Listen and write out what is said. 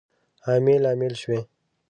امیل، امیل شوی